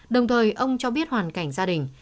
đồng thời ông cho biết hoàn cảnh gia đình